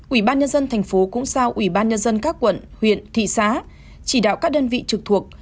ủy ban nhân dân thành phố cũng giao ủy ban nhân dân các quận huyện thị xã chỉ đạo các đơn vị trực thuộc